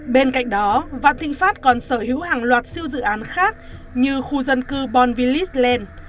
bên cạnh đó vạn thị phát còn sở hữu hàng loạt siêu dự án khác như khu dân cư bonvilis land